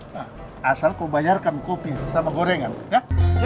nah asal kau bayarkan kopi sama gorengan ya